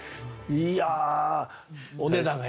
いや。